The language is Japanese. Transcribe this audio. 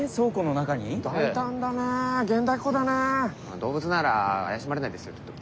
動物なら怪しまれないですよきっと。